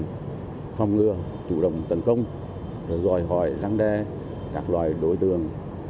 công tác phòng ngừa chủ đồng tấn công rồi gọi hỏi rắn đe các loại đối tượng